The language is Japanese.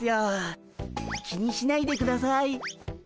気にしないでください。